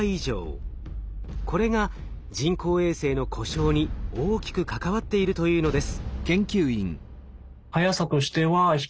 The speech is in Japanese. これが人工衛星の故障に大きく関わっているというのです。